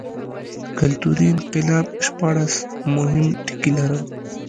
کلتوري انقلاب شپاړس مهم ټکي لرل.